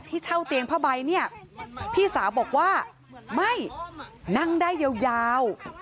เช่าเตียงผ้าใบเนี่ยพี่สาวบอกว่าไม่นั่งได้ยาว